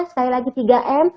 sekali lagi tiga m